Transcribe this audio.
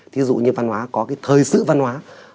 thí dụ như văn hóa có cái thời sự văn hóa